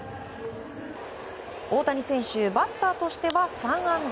大谷選手、バッターとしては３安打。